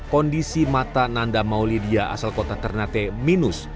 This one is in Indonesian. kondisi mata nanda maulidia asal kota ternate minus